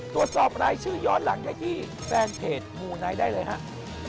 ตรวจสอบรายชื่อย้อนหลังได้ที่แฟนเพจมูไนท์ได้เลยครับ